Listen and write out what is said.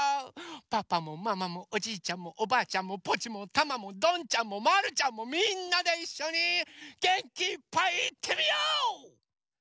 パパもママもおじいちゃんもおばあちゃんもポチもタマもどんちゃんもまるちゃんもみんなでいっしょにげんきいっぱいいってみよう！